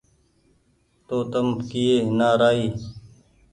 تو تم ڪيئي نآ رآئي